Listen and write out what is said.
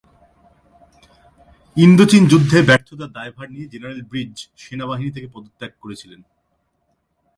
ইন্দো-চীন যুদ্ধের ব্যর্থতার দায়ভার নিয়ে জেনারেল ব্রিজ সেনাবাহিনী থেকে পদত্যাগ করেছিলেন।